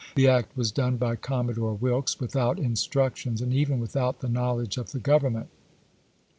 The act was done by Commo dore "Wilkes without instructions, and even with out the knowledge of the Grovernment.